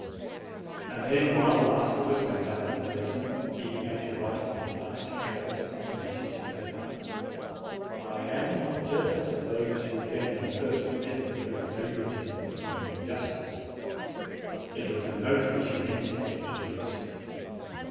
Then, while the master was conducting the lesson, he began to write in large characters on a sheet of paper. .7* O 11 "/ am not jealous of those Ti'/.v ..:.'/* tlic jirst t . through favoritism and injustice." It was a note which he meant to send to Perossi. Rut.